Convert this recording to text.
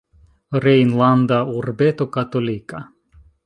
Rejnlanda urbeto katolika.